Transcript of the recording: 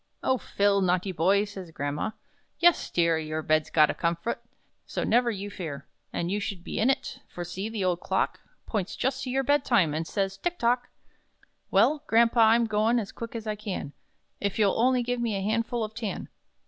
"(Oh, Phil! naughty boy!)" says grandma; "yes, dear Your bed's got a 'comfut,' so never you fear And you should be in it, for see, the old clock Points just to your bed time, and says 'tick tock!'" "Well, grampa, I'm goin' as quick as I can, If you'll only give me a handful of 'tan.'